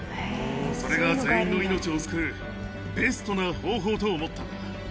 それが全員の命を救うベストな方法と思ったんだ。